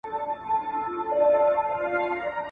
سود خوړل له خدای سره جګړه ده.